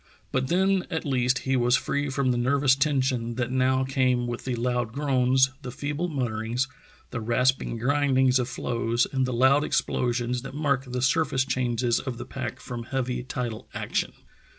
But then at least he was free from the nervous tension that now came with the loud groans, the feeble mutterings, the rasping grindings of floes, and the loud explosions that mark the surface changes of the pack from heavy tidal action.